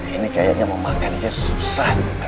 ini kayaknya mau makan aja susah